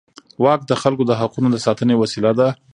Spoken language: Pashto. واک د خلکو د حقونو د ساتنې وسیله ده.